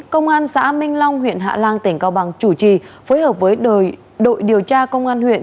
công an xã minh long huyện hạ lan tỉnh cao bằng chủ trì phối hợp với đội điều tra công an huyện